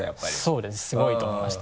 そうですすごいと思いました